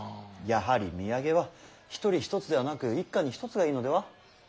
やはり土産は一人一つではなく一家に一つがいいのでは？